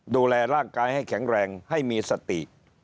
ดูแลร่างกายให้แข็งแรงให้มีสติ